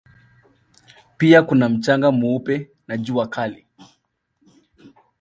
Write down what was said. Pia kuna mchanga mweupe na jua kali.